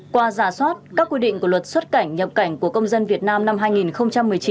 qua giả soát các quy định của luật xuất cảnh nhập cảnh của công dân việt nam năm hai nghìn một mươi chín